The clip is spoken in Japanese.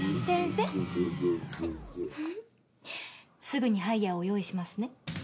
すぐにハイヤーを用意しますね。